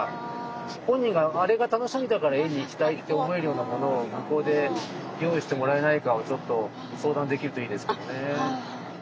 本人が「あれが楽しみだから園に行きたい」って思えるようなものを向こうで用意してもらえないかをちょっと相談できるといいですけどね。